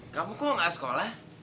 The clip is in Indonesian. kamu kok gak sekolah